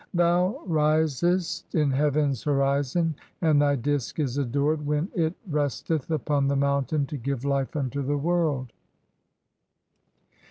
Thou risest "in heaven's horizon, (n) and [thy] disk is adored [when] it "resteth upon the mountain to give life unto the world."